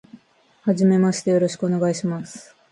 はじめまして、よろしくお願いします。